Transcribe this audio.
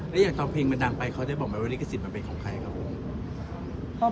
แล้วอย่างตอนเพลงมันดังไปเขาได้บอกไหมว่าลิขสิทธิมันเป็นของใครครับผม